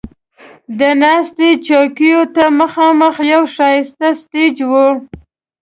د ناستې چوکیو ته مخامخ یو ښایسته سټیج و.